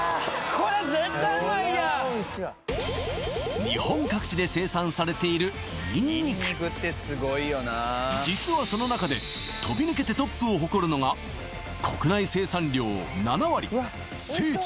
これはおいしいわ日本各地で生産されているニンニク実はその中で飛び抜けてトップを誇るのが国内生産量７割聖地